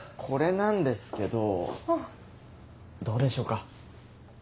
これなんですけどどうでしょうか？